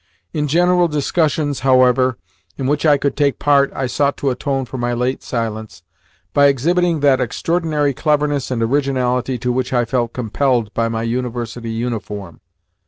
In general discussions, however, in which I could take part I sought to atone for my late silence by exhibiting that extraordinary cleverness and originality to which I felt compelled by my University uniform.